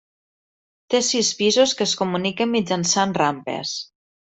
Té sis pisos que es comuniquen mitjançant rampes.